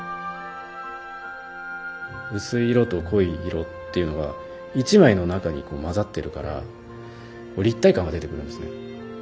薄い色と濃い色っていうのが１枚の中にこう混ざってるから立体感が出てくるんですね。